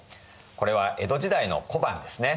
これは江戸時代の小判ですね。